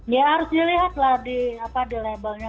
ya harus dilihatlah di labelnya